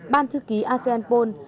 ban thư ký asean napron